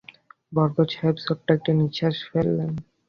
বরকত সাহেব ছোট্ট একটি নিঃশ্বাস ফেললেন।